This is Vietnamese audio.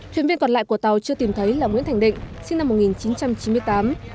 thuyền viên còn lại của tàu chưa tìm thấy là nguyễn thành định sinh năm một nghìn chín trăm chín mươi tám